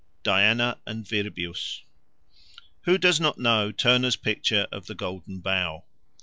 Diana and Virbius WHO does not know Turner's picture of the Golden Bough?